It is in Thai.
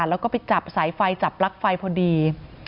แล้วก็ไปจับสายไฟจับปลั๊กไฟพอดี